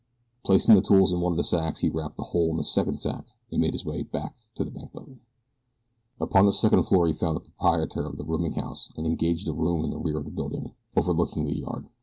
Placing the tools in one of the sacks he wrapped the whole in the second sack and made his way back to the bank building. Upon the second floor he found the proprietor of the rooming house and engaged a room in the rear of the building, overlooking the yard.